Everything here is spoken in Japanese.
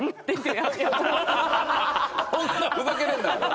こんなふざけてるんだからな。